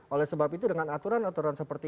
oleh sebab itu dengan aturan aturan seperti